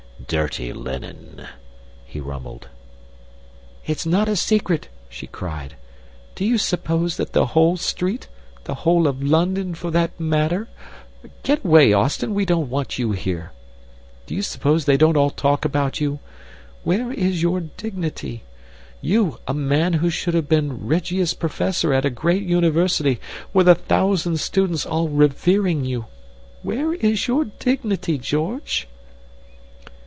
"Dirty linen," he rumbled. "It's not a secret," she cried. "Do you suppose that the whole street the whole of London, for that matter Get away, Austin, we don't want you here. Do you suppose they don't all talk about you? Where is your dignity? You, a man who should have been Regius Professor at a great University with a thousand students all revering you. Where is your dignity, George?"